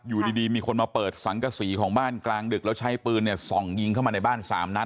อยู่ดีมีคนมาเปิดสังกษีของบ้านกลางดึกแล้วใช้ปืนเนี่ยส่องยิงเข้ามาในบ้าน๓นัด